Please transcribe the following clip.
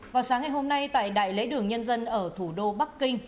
vào sáng ngày hôm nay tại đại lễ đường nhân dân ở thủ đô bắc kinh